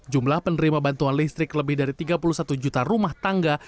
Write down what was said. jumlah penerima bantuan listrik lebih dari tiga puluh satu juta rumah tangga